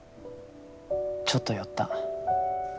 ちょっと酔った。